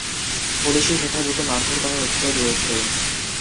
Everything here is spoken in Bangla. পুলিশি হেফাজতে মারধর করার অভিযোগ রয়েছে।